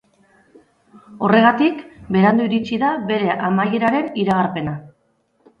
Horregatik, berandu iritsi da bere amaieraren iragarpena.